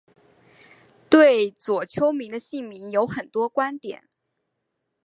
对左丘明的姓名有很多观点。